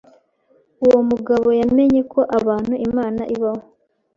uwo mugabo yamenye ko abantu Imana ibaho